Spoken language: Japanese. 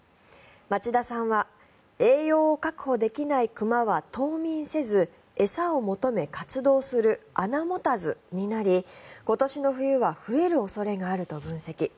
町田さんは栄養を確保できない熊は冬眠せず餌を求め活動する穴持たずになり今年の冬は増える恐れがあると分析。